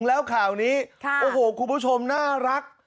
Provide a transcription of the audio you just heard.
แล้วข่าวนี้โอ้โหคุณผู้ชมน่ารัก